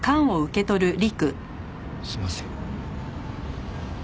すいません。